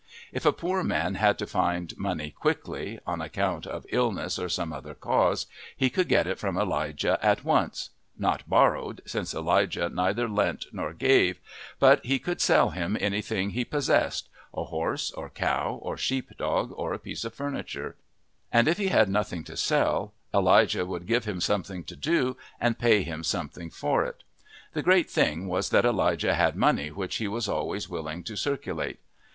If a poor man had to find money quickly, on account of illness or some other cause, he could get it from Elijah at once not borrowed, since Elijah neither lent nor gave but he could sell him anything he possessed a horse or cow, or sheepdog, or a piece of furniture; and if he had nothing to sell, Elijah would give him something to do and pay him something for it. The great thing was that Elijah had money which he was always willing to circulate.